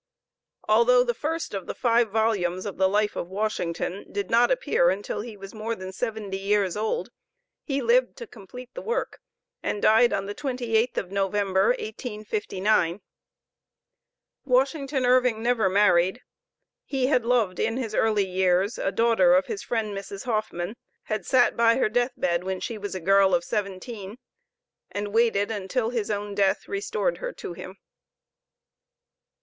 Although the first of the five volumes of the Life of Washington did not appear until he was more than seventy years old, he lived to complete his work, and died on the 28th of November, 1859. Washington Irving never married. He had loved in his early years a daughter of his friend Mrs. Hoffman, had sat by her death bed when she was a girl of seventeen, and waited until his own death restored her to him.